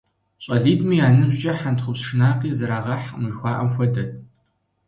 ЩӀалитӀми я ныбжькӀэ хьэнтхъупс шынакъи зэрагъэхькъым жыхуаӀэм хуэдэт.